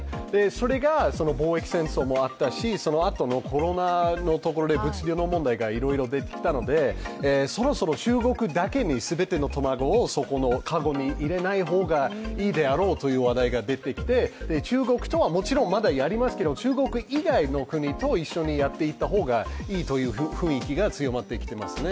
それが貿易戦争もあったしそのあとのコロナのところで物流の問題がいろいろ出てきたのでそろそろ中国だけに全ての卵をそこのかごに入れない方がいいだろうという話題が出てきて中国とは、もちろんまだやりますけど、中国以外の国と一緒にやっていった方がいいという雰囲気が強まってきていますね。